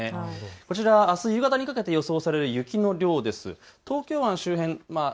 こちらはあす夕方にかけて予想される雪の量です。